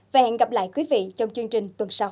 và hẹn gặp lại quý vị trong chương trình tuần sau